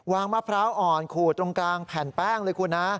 มะพร้าวอ่อนขูดตรงกลางแผ่นแป้งเลยคุณนะ